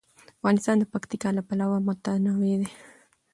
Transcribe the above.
افغانستان د پکتیکا له پلوه متنوع دی.